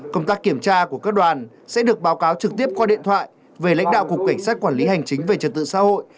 công tác kiểm tra của các đoàn sẽ được báo cáo trực tiếp qua điện thoại về lãnh đạo cục cảnh sát quản lý hành chính về trật tự xã hội